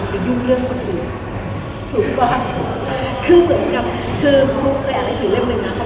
คือเหมือนกับคือเขาเคยอาจารย์สื่อเล่มหนึ่งนะ